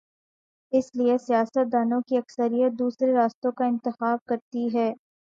اس لیے سیاست دانوں کی اکثریت دوسرے راستے کا انتخاب کر تی ہے۔